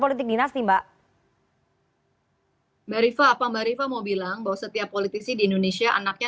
politik dinasti mbak rifa apa mbak rifa mau bilang bahwa setiap politisi di indonesia anaknya